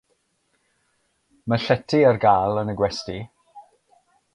Mae llety ar gael yn y gwesty.